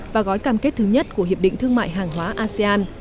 và gói cam kết thứ nhất của hiệp định thương mại hàng hóa asean